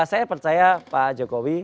saya percaya pak jokowi